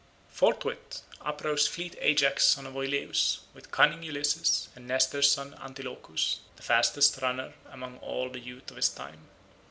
Forthwith uprose fleet Ajax son of Oileus, with cunning Ulysses, and Nestor's son Antilochus, the fastest runner among all the youth of his time.